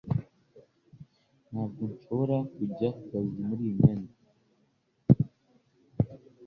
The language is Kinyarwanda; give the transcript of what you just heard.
Ntabwo nshobora kujya ku kazi muri iyi myenda